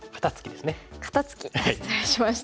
肩ツキ失礼しました。